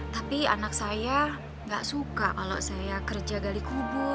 tapi anak saya gak suka kalau saya kerja gali kubu